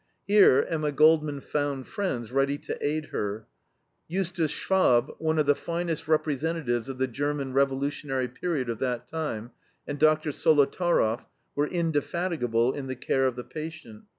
Here Emma Goldman found friends ready to aid her. Justus Schwab, one of the finest representatives of the German revolutionary period of that time, and Dr. Solotaroff were indefatigable in the care of the patient.